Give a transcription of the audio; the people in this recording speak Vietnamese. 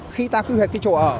khi ta quyết định cái chỗ ở